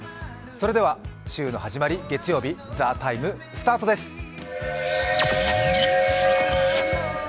それでは週の始まり、月曜日「ＴＨＥＴＩＭＥ，」のスタートです。